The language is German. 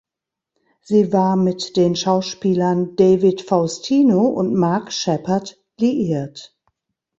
Sie war mit den Schauspielern David Faustino und Mark Sheppard liiert.